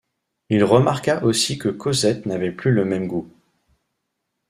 Il remarqua aussi que Cosette n’avait plus le même goût.